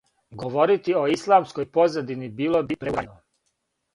Говорити о исламској позадини било би преурањено.